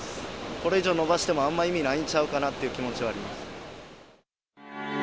これ以上延ばしてもあんま意味ないんちゃうかなっていう気持ちはあります。